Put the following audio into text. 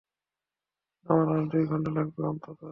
আমার আরও দুই ঘন্টা লাগবে, অন্তত।